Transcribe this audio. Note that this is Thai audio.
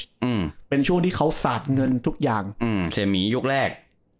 อืมเป็นช่วงที่เขาสาดเงินทุกอย่างอืมเสียหมียกแรก